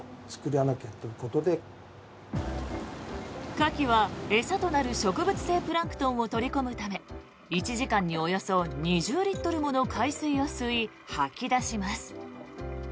カキは、餌となる植物性プランクトンを取り込むため１時間におよそ２０リットルもの海水を吸い、吐き出します。